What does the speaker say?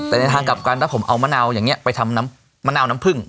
แต่ในทางกลับกันถ้าผมเอามะนาวอย่างนี้ไปทำน้ำมะนาวน้ำผึ้ง